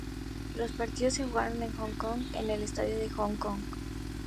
Los partidos se jugaron en Hong Kong en el Estadio Hong Kong.